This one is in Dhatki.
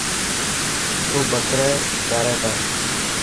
او بڪري چاري تا.